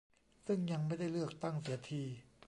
ซึ่งยังไม่ได้เลือกตั้งเสียที